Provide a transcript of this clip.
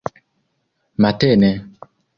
matene